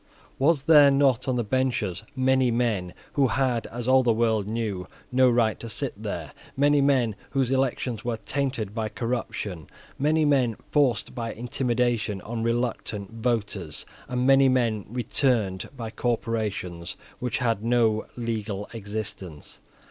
Were there not on the benches many men who had, as all the world knew, no right to sit there, many men whose elections were tainted by corruption, many men forced by intimidation on reluctant voters, and many men returned by corporations which had no legal existence?